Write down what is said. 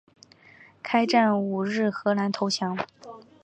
开战五日荷兰投降。